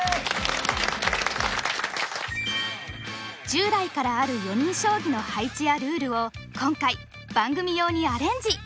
従来からある４人将棋の配置やルールを今回番組用にアレンジ。